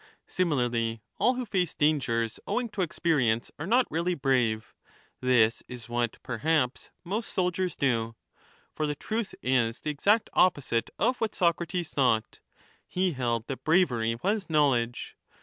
Similarly, all who face dangers owing to experience 5 are not really brave ; this is what, perhaps, most soldiers do. For the truth is the exact opposite of what Socrates thought ; he held that bravery was knowledge.